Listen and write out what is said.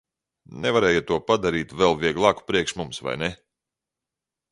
Nevarēja to padarīt vēl vieglāku priekš mums, vai ne?